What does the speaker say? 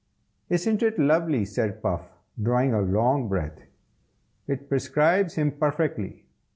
"Isn't it lovely?" said Puff, drawing a long breath. "It prescribes him perfectly.